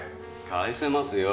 返せますよ